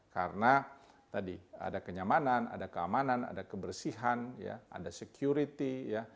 karena tadi ada kenyamanan ada keamanan ada kebersihan ada security